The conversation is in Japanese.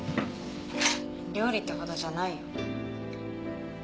料理ってほどじゃないよ。